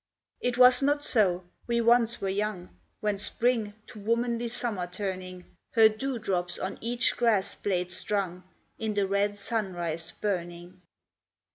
It was not so we once were young When Spring, to womanly Summer turning, Her dew drops on each grass blade strung, In the red sunrise burning.